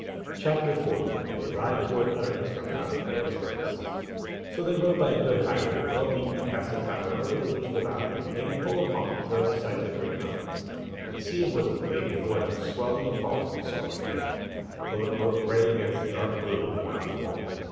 CHAPTER 40 They Ride Toward Utterness From Out of Vale Turris So they rode by a good highway, well beaten, past the Tower and over the ridge of the valley, and came full upon the terrible sight of the Great Mountains, and the sea of woodland lay before them, swelling and falling, and swelling again, till it broke grey against the dark blue of the mountain wall.